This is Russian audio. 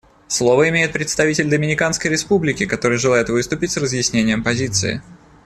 Слово имеет представитель Доминиканской Республики, который желает выступить с разъяснением позиции.